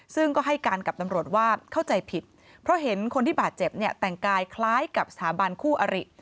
ซึ่งก็ให้การกับตำรวจว่าเข้าใจผิดเพราะเห็นคนที่บาดเจ็บเนี่ยแต่งกายคล้ายกับสถาบันคู่อริ